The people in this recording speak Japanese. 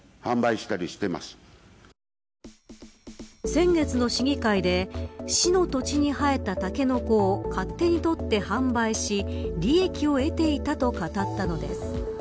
先月の市議会で市の土地に生えたタケノコを勝手に取って販売し利益を得ていたと語ったのです。